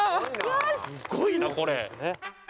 すごいなこれ。